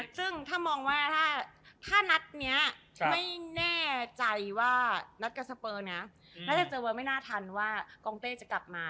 ซึ่งถ้านัดเนี้ยไม่แน่ใจว่านัดกับสเปอร์เนี้ยถ้านัดกับสเปอร์ไม่น่าทันว่ากองเต้จะกลับมา